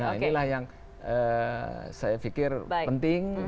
nah inilah yang saya pikir penting